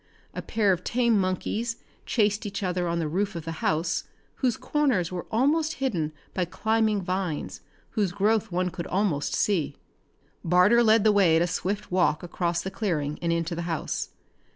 A pair of tame monkeys chased each other on the roof of the house, whose corners were almost hidden by climbing vines whose growth one could almost see. Barter led the way at a swift walk across the clearing and into the house.